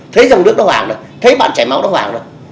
thấy dòng nước nó hoàng rồi thấy bạn chảy máu nó hoàng rồi